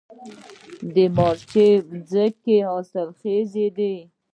د مارجې ځمکې حاصلخیزه دي